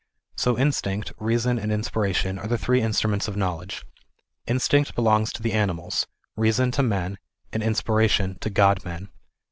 So instinct, reason and inspiration are the* three instruments of knowledge. Instinct belongs to the animals, reason to men, and inspiration to God men.